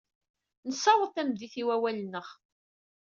Nessaweḍ tameddit i wawal-nneɣ.